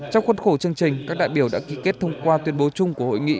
trong khuất khổ chương trình các đại biểu đã ký kết thông qua tuyên bố chung của hội nghị